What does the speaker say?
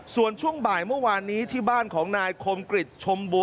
ส่วนช่วงบ่ายเมื่อวานนี้ที่บ้านของนายคมกริจชมบัว